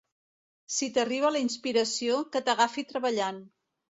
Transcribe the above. Si t'arriba la inspiració, que t'agafi treballant.